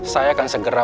saya akan segera